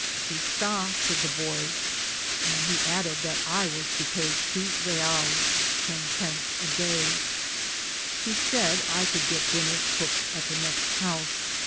*^ Aqui st6/ siuyd the boy, and he added that I was to pay two reals (ten pence) a day. He said I could get dinner cooked at the next house.